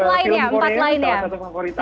empat lain ya empat lain ya